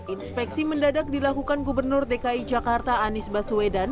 inspeksi mendadak dilakukan gubernur dki jakarta anies baswedan